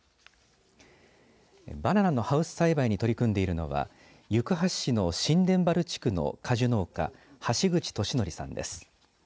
バナナのハウス栽培に取り組んでいるのは行橋市の新田原地区の果樹農家橋口俊徳さんです。